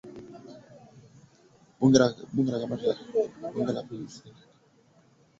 Bunge la Afrika Mashariki na kamati za kisekta kuhusu masuala muhimu kama vile biashara